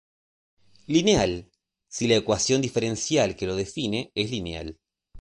Lineal, si la ecuación diferencial que lo define es lineal.